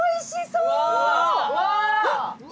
うわ！